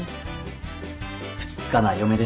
ふつつかな嫁ですが